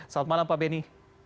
selamat malam pak benny